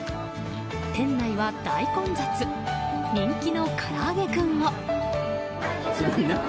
店内は大混雑人気のからあげクンを。